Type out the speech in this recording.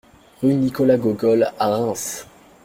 Rue Nicolas Gogol à Reims